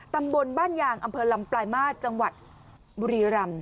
ตำบลบ้านยางอำเภอลำปลายมาตรจังหวัดบุรีรำ